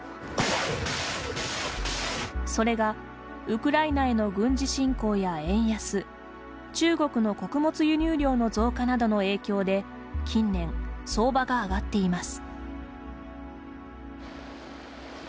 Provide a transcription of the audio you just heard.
それが、ウクライナへの軍事侵攻や円安中国の穀物輸入量の増加などの影響で近年、相場が上がっています。